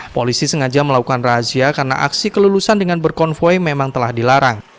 polisi sengaja melakukan razia karena aksi kelulusan dengan berkonvoy memang telah dilarang